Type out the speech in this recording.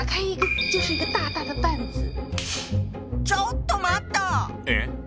ちょっと待った！え？